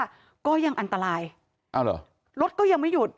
บอกว่าก็ยังอันตรายรถก็ยังไม่หยุด